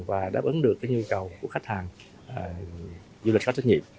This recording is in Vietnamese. và đáp ứng được cái nhu cầu của khách hàng du lịch khách trách nhiệm